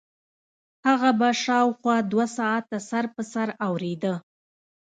هغه به شاوخوا دوه ساعته سر په سر اورېده.